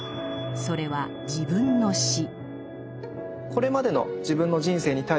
それは自分の「死」。